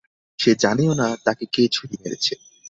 সে জানেও না যে তাকে কে ছুরি মেরেছে।